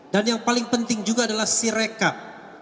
dan yang paling penting juga adalah si rekap